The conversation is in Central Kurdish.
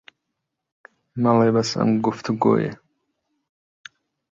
مەڵێ بەس ئەم گوفتوگۆیە